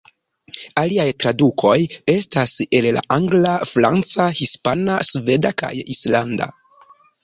Aliaj tradukoj estas el la angla, franca, hispana, sveda kaj islanda.